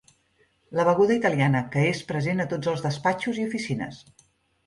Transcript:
La beguda italiana que és present a tots els despatxos i oficines.